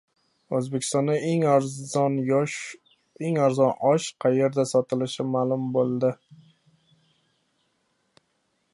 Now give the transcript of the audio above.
O‘zbekistonda eng arzon osh qayerda sotilishi ma’lum bo‘ldi